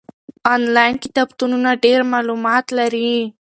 آنلاین کتابتونونه ډېر معلومات لري.